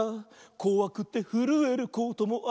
「こわくてふるえることもある」